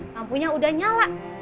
lampunya udah nyala